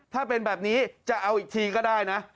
ถ้าเป็นแบบนี้จะเอาอีกทีก็ได้นะ